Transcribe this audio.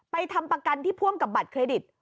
ทำประกันที่พ่วงกับบัตรเครดิต